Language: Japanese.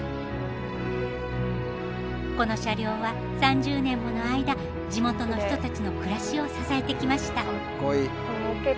この車両は３０年もの間地元の人たちの暮らしを支えてきました。